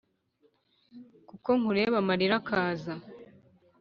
Kuko nkureba amarira akaza